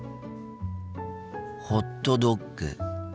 ホットドッグ。